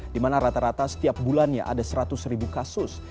di mana rata rata setiap bulannya ada seratus ribu kasus